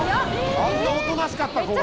あんなおとなしかった子が？